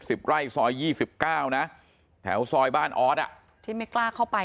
สิบไร่ซอยยี่สิบเก้านะแถวซอยบ้านออสอ่ะที่ไม่กล้าเข้าไป